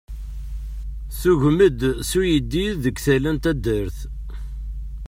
Tugem-d s uyeddid deg tala n taddart.